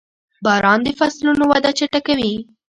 • باران د فصلونو وده چټکوي.